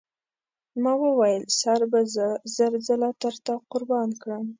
ما وویل سر به زه زر ځله تر تا قربان کړم.